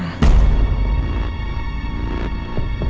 masa itu nanda menangis